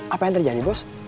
apa yang terjadi bos